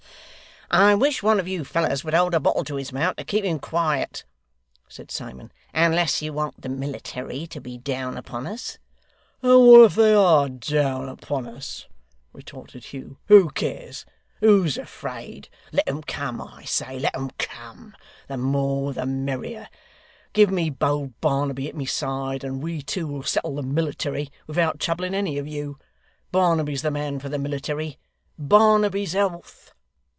'I wish one of you fellers would hold a bottle to his mouth to keep him quiet,' said Simon, 'unless you want the military to be down upon us.' 'And what if they are down upon us!' retorted Hugh. 'Who cares? Who's afraid? Let 'em come, I say, let 'em come. The more, the merrier. Give me bold Barnaby at my side, and we two will settle the military, without troubling any of you. Barnaby's the man for the military. Barnaby's health!